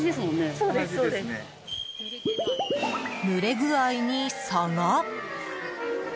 ぬれ具合に差が。